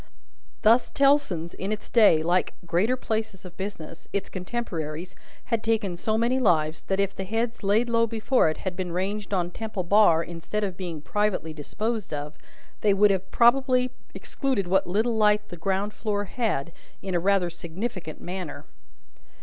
Thus, Tellson's, in its day, like greater places of business, its contemporaries, had taken so many lives, that, if the heads laid low before it had been ranged on Temple Bar instead of being privately disposed of, they would probably have excluded what little light the ground floor had, in a rather significant manner.